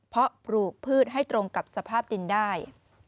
เพราะปลูกพืชให้ตรงกับสภาพดินได้